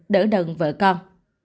đỡ đừng vợ con